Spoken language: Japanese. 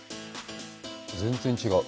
全然違う。